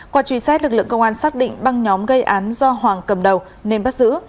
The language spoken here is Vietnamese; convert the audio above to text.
qua truy xét lực lượng công an xác định băng nhóm gây án do hoàng cầm đầu nên bắt giữ